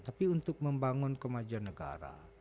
tapi untuk membangun kemajuan negara